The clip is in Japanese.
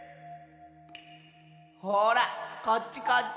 ほらこっちこっち！